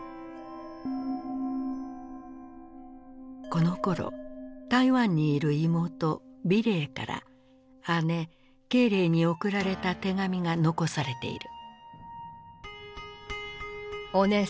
このころ台湾にいる妹美齢から姉慶齢に送られた手紙が残されている。